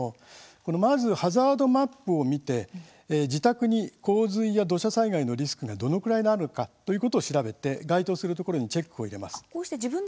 まずハザードマップを見て自宅に洪水や土砂災害のリスクがどれぐらいあるのかということを調べて該当するところにチェックを入れます。